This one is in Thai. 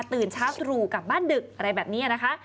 ตื่นเช้าตรู่กลับบ้านดึกอะไรแบบนี้นะคะ